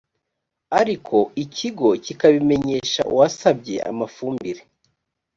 ariko ikigo kikabimenyesha uwasabye amafumbire